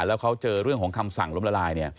แล้วเขาเจอเรื่องของคำสั่งล้มละลาย